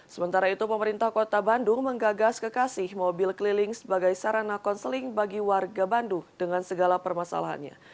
sementara itu pemerintah kota bandung menggagas kekasih mobil keliling sebagai sarana konseling bagi warga bandung dengan segala permasalahannya